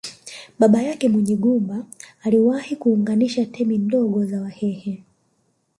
Baba yake Munyingumba aliwahi kuunganisha temi ndogo za Wahehe